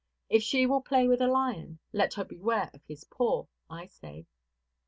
If she will play with a lion, let her beware of his paw, I say.